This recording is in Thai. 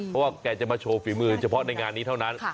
เพราะว่าแกจะมาโชว์ฝีมือเฉพาะในงานนี้เท่านั้น